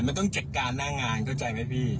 มันต้องจัดการหน้างานเข้าใจไหมพี่